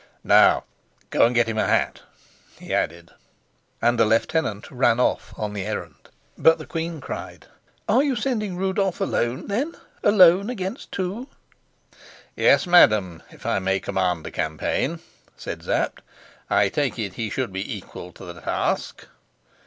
"Now go and get him a hat," he added, and the lieutenant ran off on the errand. But the queen cried: "Are you sending Rudolf alone, then alone against two?" "Yes, madam, if I may command the campaign," said Sapt. "I take it he should be equal to the task."